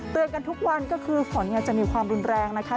เตือนกันทุกวันก็คือฝนเนี่ยจะมีความรุนแรงนะคะ